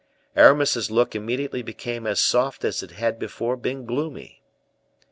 Aramis's look immediately became as soft as it had before been gloomy.